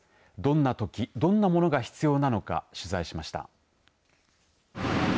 どんなとき、どんなものが必要なのか取材しました。